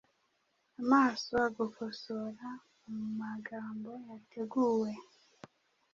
Amaso agukosora mumagambo yateguwe